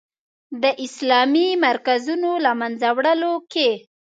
د اسلامي مرکزونو له منځه وړلو کې.